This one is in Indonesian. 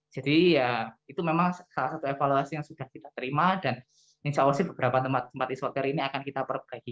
jadi ya itu memang salah satu evaluasi yang sudah kita terima dan insya allah beberapa tempat isolater ini akan kita perbaiki